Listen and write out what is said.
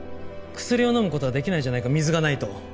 薬を飲む事はできないじゃないか水がないと。